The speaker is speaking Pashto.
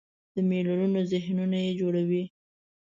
د میلیونونو ذهنونه یې جوړوي.